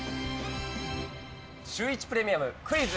シューイチプレミアムクイズ！